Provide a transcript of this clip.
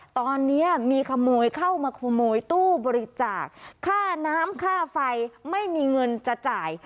ตอนนี้มีขโมยเข้ามาขโมยตู้บริจาคค่าน้ำค่าไฟไม่มีเงินจะจ่าย